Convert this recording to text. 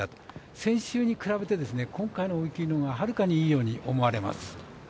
先週に比べて今回の追い切りのほうがはるかにいいように思われます。